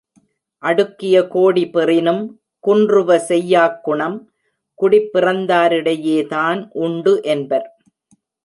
அடுக்கிய கோடி பெறினும், குன்றுவ செய்யாக் குணம் குடிப் பிறந்தாரிடையேதான் உண்டு என்பர்.